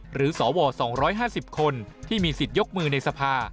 สว๒๕๐คนที่มีสิทธิ์ยกมือในสภา